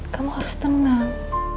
kamu harus tenang